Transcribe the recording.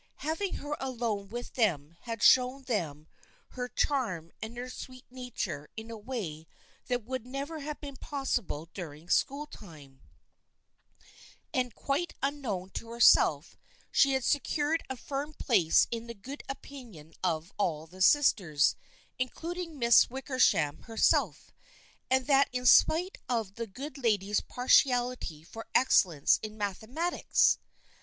Having her alone with them had shown them her charm and her sweet nature in a way that would never have been possible during school time, and quite unknown to herself she had secured a firm place in the good opinion of all the sisters, includ ing Miss Wickersham herself, and that in spite of 214 THE FRIENDSHIP OF ANNE 215 the good lady's partiality for excellence in mathe matics